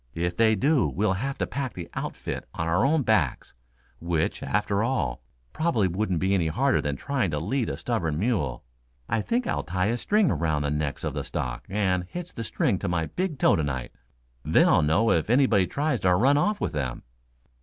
"If they do we'll have to pack the outfit on our own backs, which, after all, probably wouldn't be any harder than trying to lead a stubborn mule. I think I'll tie a string around the necks of the stock and hitch the string to my big toe to night. Then I'll know if anybody tries to run off with them."